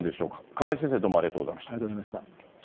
亀井先生、どうもありがとうござありがとうございました。